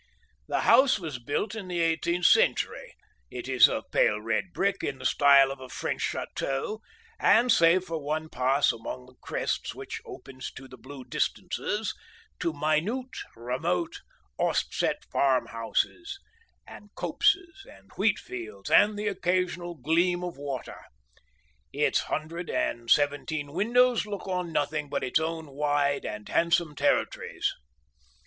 The house was built in the eighteenth century, it is of pale red brick in the style of a French chateau, and save for one pass among the crests which opens to blue distances, to minute, remote, oast set farm houses and copses and wheat fields and the occasional gleam of water, its hundred and seventeen windows look on nothing but its own wide and handsome territories.